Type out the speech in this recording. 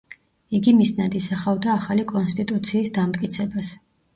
იგი მიზნად ისახავდა ახალი კონსტიტუციის დამტკიცებას.